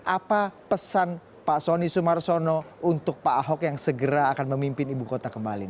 apa pesan pak soni sumarsono untuk pak ahok yang segera akan memimpin ibu kota kembali